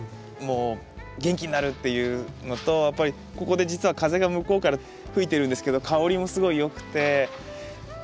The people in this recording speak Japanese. もう元気になるっていうのとやっぱりここで実は風が向こうから吹いてるんですけど香りもすごいよくて。